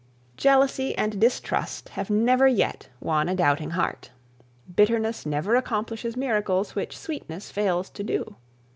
Jealousy and distrust have never yet won a doubting heart. Bitterness never accomplishes miracles which sweetness fails to do.